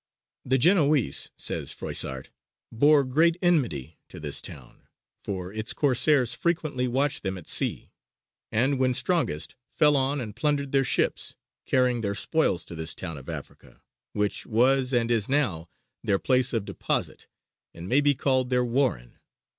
"The Genoese," says Froissart, "bore great enmity to this town; for its Corsairs frequently watched them at sea, and when strongest fell on and plundered their ships, carrying their spoils to this town of Africa, which was and is now their place of deposit and may be called their warren."